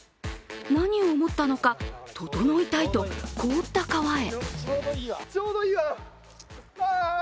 何を思ったのか、ととのいたいと凍った川へ。